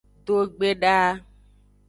Dogbedaa.